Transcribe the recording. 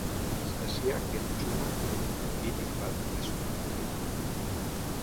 Sasiak entzuna bitik bat gezurra.